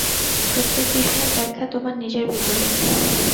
প্রত্যেক বিষয়ের ব্যাখ্যা তোমার নিজের ভিতরে।